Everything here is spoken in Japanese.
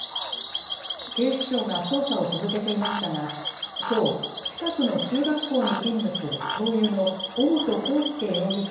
警視庁が捜査を続けていましたがきょう近くの中学校に勤務する教諭の尾本幸祐容疑者